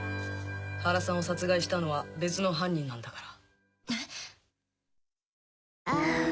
原さんを殺害したのは別の犯人なんだから。